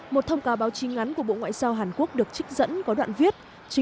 một thông cáo báo chí ngắn của bộ ngoại giao hàn quốc được trích dẫn có đoạn viết